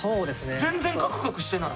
全然カクカクしてない。